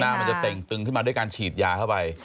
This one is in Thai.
มันจะเต่งตึงขึ้นมาด้วยการฉีดยาเข้าไป